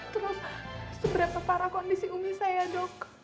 terus seberapa parah kondisi umi saya dok